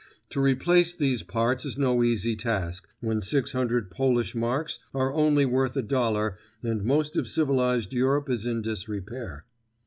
To replace these parts is no easy task when six hundred Polish marks are only worth a dollar and most of civilized Europe is in disrepair.